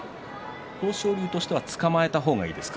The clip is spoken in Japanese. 豊昇龍としてはつかまえた方がいいんですか？